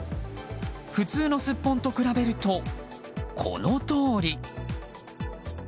普通のスッポンと比べるとこのとおり。